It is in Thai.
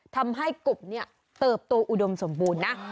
ทำให้กบเนี่ยเติบตัวอุดมสมบูรณ์นะ